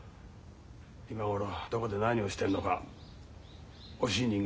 今頃どこで何をしてんのか惜しい人間だった。